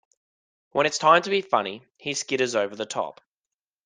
When it's time to be funny, he skitters over the top.